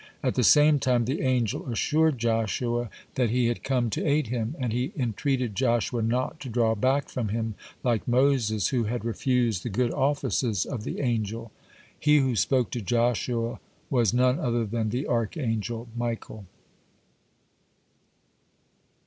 (19) At the same time the angel assured Joshua that he had come to aid him, and he entreated Joshua not to draw back from him, like Moses, who had refused the good offices of the angel. (20) He who spoke to Joshua was none other than the archangel Michael.